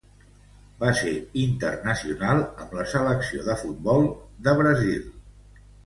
Va ser internacional amb la selecció de futbol de Brasil.